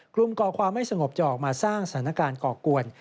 ก่อความไม่สงบจะออกมาสร้างสถานการณ์ก่อกวน